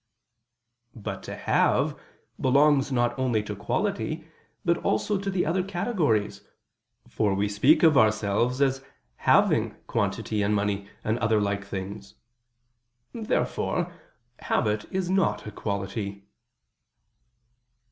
'" But "to have" belongs not only to quality, but also to the other categories: for we speak of ourselves as "having" quantity and money and other like things. Therefore habit is not a quality.